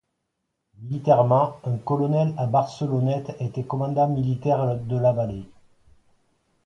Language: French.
Militairement, un colonel à Barcelonnette était commandant militaire de la vallée.